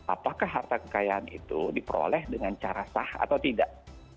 apakah harta kekayaan itu diperoleh dengan cara sah atau tidak